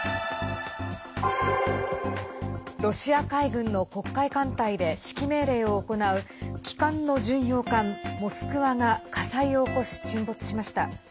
ロシア海軍の黒海艦隊で指揮命令を行う旗艦の巡洋艦「モスクワ」が火災を起こし沈没しました。